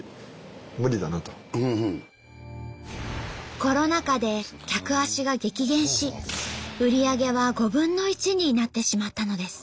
コロナ禍で客足が激減し売り上げは５分の１になってしまったのです。